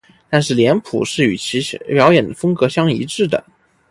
但是脸谱是与其表演风格相一致的。